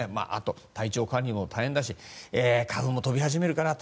体調管理も大変だし花粉も飛び始めるかなと。